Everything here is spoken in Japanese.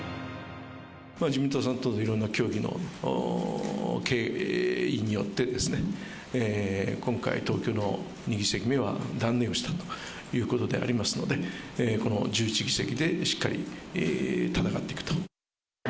自民党さんといろんな協議の経緯によって、今回、東京の２議席目は断念をしたということでありますので、この１１議席でしっかり戦っていくと。